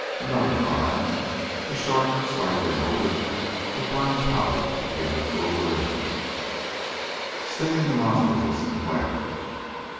Another try. The sharp, stifling odor of burned powder began to fill the room, stinging the nostrils of Sinclair.